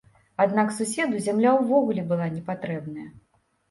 Аднак суседу зямля ўвогуле была не патрэбная.